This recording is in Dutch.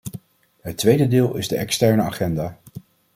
Het tweede deel is de externe agenda.